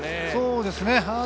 そうですね。